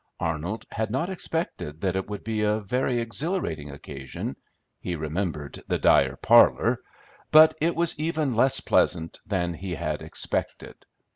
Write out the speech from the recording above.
Arnold had not expected that it would be a very exhilarating occasion, he remembered the Dyer parlor, but it was even less pleasant than he had expected.